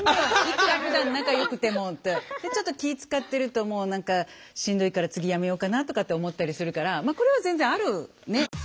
いくらふだん仲よくても。でちょっと気遣ってるともう何かしんどいから次やめようかなとかって思ったりするからまあこれは全然ある。